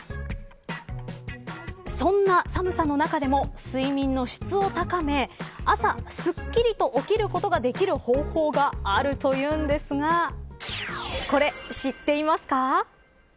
そんな寒さの中でも睡眠の質を高め朝、すっきりと起きることができる方法があるというんですがこれ、知っていますか。